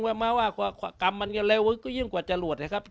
ไม่ว่ามาว่ากว่ากรรมมันเร็วเร็วก็ยิ่งกว่าจะหลวดไหมครับ